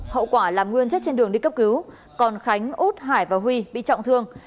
hậu quả là nguyên chết trên đường đi cấp cứu còn khánh út hải và huy bị trọng thương